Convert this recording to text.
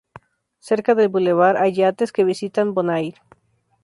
Cerca del bulevar hay yates que visitan Bonaire.